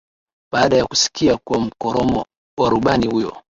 baada ya kusikia kwa mkoromo wa rubani huyo